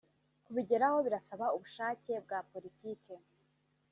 Kubigeraho birasaba ubushake bwa politike